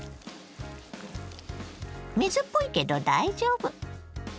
水っぽいけど大丈夫。